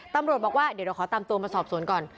ตำรวจบอกว่าเดี๋ยวเราขอตามตัวมาสอบสวนก่อน